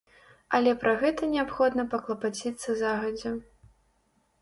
Але пра гэта неабходна паклапаціцца загадзя.